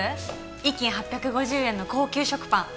１斤８５０円の高級食パン